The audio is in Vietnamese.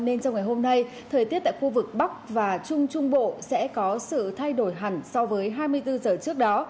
nên trong ngày hôm nay thời tiết tại khu vực bắc và trung trung bộ sẽ có sự thay đổi hẳn so với hai mươi bốn giờ trước đó